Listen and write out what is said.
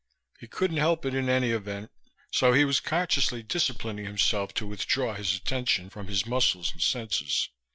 He couldn't help it in any event, so he was consciously disciplining himself to withdraw his attention from his muscles and senses.